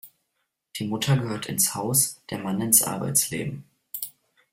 Die Mutter gehört ins Haus, der Mann ins Arbeitsleben.